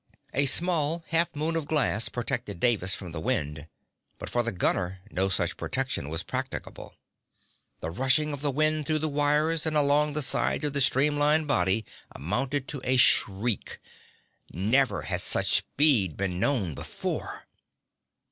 A small half moon of glass protected Davis from the wind, but for the gunner no such protection was practicable. The rushing of the wind through the wires and along the sides of the stream line body amounted to a shriek. Never had such speed been known before.